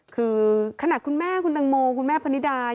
คือขนาดคุณแม่คุณตังโมคุณแม่พนิดา